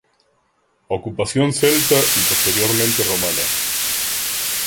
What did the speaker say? Ocupación celta y posteriormente romana.